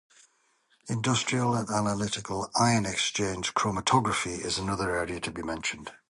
Industrial and analytical ion exchange chromatography is another area to be mentioned.